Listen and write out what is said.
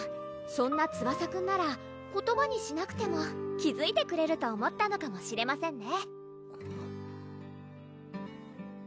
そんなツバサくんなら言葉にしなくても気づいてくれると思ったのかもしれませんね